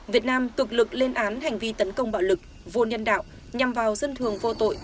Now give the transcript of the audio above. việt nam cực lực lên án hành vi tấn công bạo lực vô nhân đạo nhằm vào dân thường vô tội